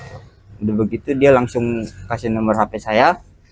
sudah begitu dia langsung kasih nomor hp saya